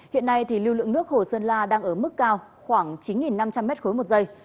hiện nay lưu lượng nước hồ sơn la đang ở mức cao khoảng chín năm trăm linh m ba một giây